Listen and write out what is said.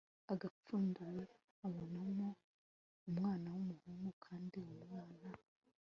agapfunduye abonamo umwana w umuhungu kandi uwo mwana